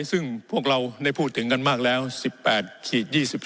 ซึ่งพวกเราได้พูดถึงกันมากแล้วสิบแปดขีดยี่สิบ